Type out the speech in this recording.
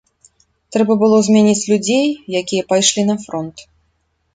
Трэба было замяніць людзей, якія пайшлі на фронт.